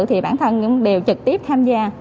thì bản thân cũng đều trực tiếp tham gia